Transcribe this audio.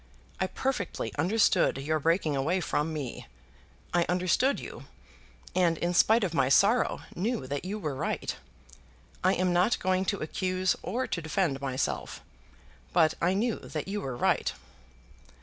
I perfectly understood your breaking away from me. I understood you, and in spite of my sorrow knew that you were right. I am not going to accuse or to defend myself; but I knew that you were right."